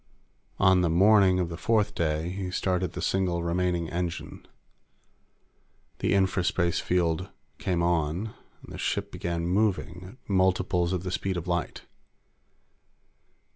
On the "morning" of the fourth day, he started the single remaining engine. The infraspace field came on, and the ship began moving at multiples of the speed of light.